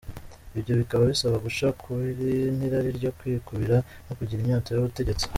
Ibyo bikaba bisaba guca ukubiri n’irari ryo kwikubira no kugira inyota y’ubutegetsi.